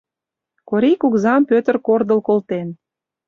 Корий кугызам Пӧтыр кордыл колтен.